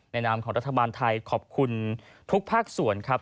นามของรัฐบาลไทยขอบคุณทุกภาคส่วนครับ